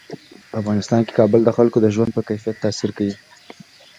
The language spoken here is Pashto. په افغانستان کې کابل د خلکو د ژوند په کیفیت تاثیر کوي.